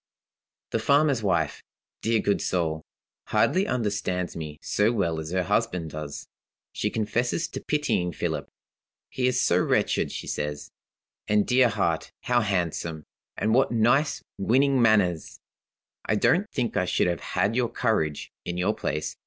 "The farmer's wife dear good soul! hardly understands me so well as her husband does. She confesses to pitying Philip. 'He is so wretched,' she says. 'And, dear heart, how handsome, and what nice, winning manners! I don't think I should have had your courage, in your place.